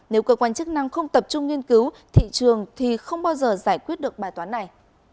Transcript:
nếu cơ quan chức năng không tập trung nghiên cứu thị trường thì không bao giờ giải quyết được bài toán này